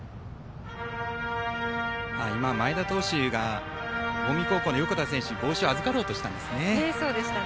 今、前田投手が近江高校の横田選手の帽子を預かろうとしたんですね。